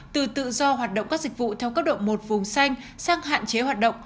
từ tự do hoạt động các dịch vụ theo cấp độ một vùng xanh sang hạn chế hoạt động